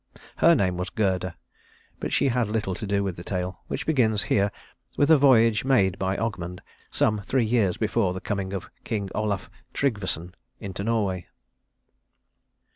Her name was Gerda; but she has little to do with the tale, which begins here with a voyage made by Ogmund some three years before the coming of King Olaf Trygvasson into Norway.